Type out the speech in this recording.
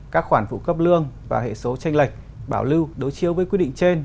các khoản phụ cấp lương và hệ số tranh lệch bảo lưu đối chiếu với quy định trên